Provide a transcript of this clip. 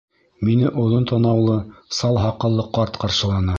Мине оҙон танаулы сал һаҡаллы ҡарт ҡаршыланы.